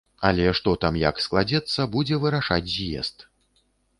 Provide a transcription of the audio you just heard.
Але што там як складзецца, будзе вырашаць з'езд.